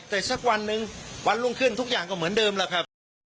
แต่สักวันหนึ่งวันรุ่งขึ้นทุกอย่างก็เหมือนเดิมแล้วครับ